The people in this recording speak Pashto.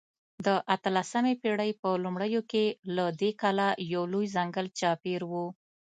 د اتلسمې پېړۍ په لومړیو کې له دې کلا یو لوی ځنګل چاپېر و.